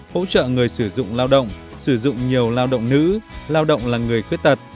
hỗ trợ người sử dụng lao động sử dụng nhiều lao động nữ lao động là người khuyết tật